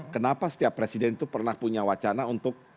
kenapa setiap presiden itu pernah punya wacana untuk